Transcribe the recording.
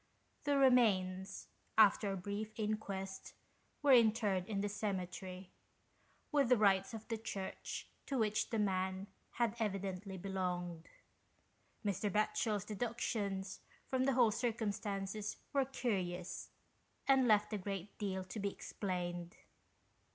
The remains, after a brief inquest, were interred in the cemetery, with the rites of the Church to which the man had evidently belonged. 69 GHOST TALES. Mr. Batchel's deductions from the whole circumstances were curious, and left a great deal to be explained.